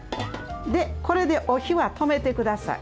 で、これでお火は止めてください。